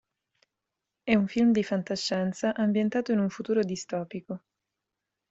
È un film di fantascienza ambientato in un futuro distopico.